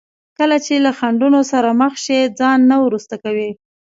کله چې له خنډونو سره مخ شي ځان نه وروسته کوي.